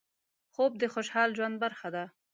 خوب د خوشحال ژوند برخه ده